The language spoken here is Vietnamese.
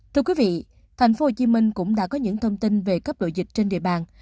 thưa quý vị tp hcm cũng đã có những thông tin về cấp độ dịch trên địa bàn